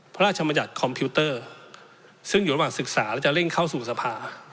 พระราชมัญญัติคอมพิวเตอร์ซึ่งอยู่ระหว่างศึกษาและจะเร่งเข้าสู่สภา